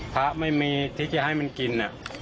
พระไม่มีที่จะให้มันกิน